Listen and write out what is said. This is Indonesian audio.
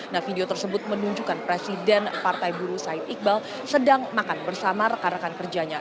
nah video tersebut menunjukkan presiden partai buruh said iqbal sedang makan bersama rekan rekan kerjanya